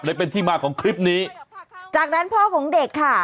เลยเป็นที่มาของคลิปนี้จากนั้นพ่อของเด็กค่ะ